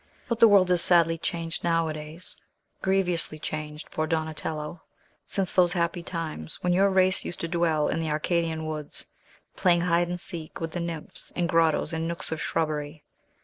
"But the world is sadly changed nowadays; grievously changed, poor Donatello, since those happy times when your race used to dwell in the Arcadian woods, playing hide and seek with the nymphs in grottoes and nooks of shrubbery.